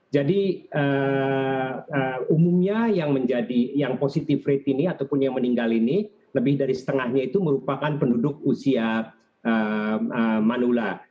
jadi umumnya yang menjadi yang positif ratenya ataupun yang meninggal ini lebih dari setengahnya itu merupakan penduduk usia manula